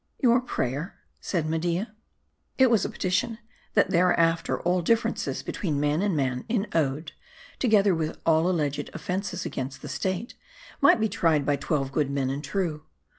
" Your prayer ?" said Media., It was a petition, that thereafter all differences between man and man in Odo, together with all alleged offenses against the state, might be tried by twelve good men and true.